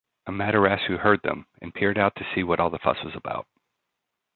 Amaterasu heard them, and peered out to see what all the fuss was about.